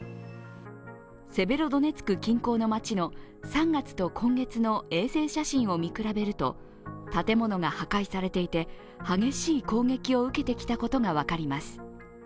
セベロドネツク近郊の街の、３月と今月の衛星写真を見比べると建物が破壊されていて激しい攻撃を受けてきたことが分かります。